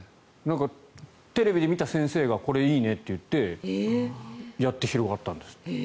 テレビで見た先生がこれいいねっていって、やって広がったんですって。